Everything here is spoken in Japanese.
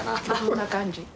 そんな感じ。